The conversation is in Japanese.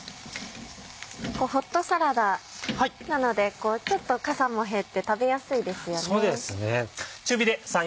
ホットサラダなのでちょっとかさも減って食べやすいですよね。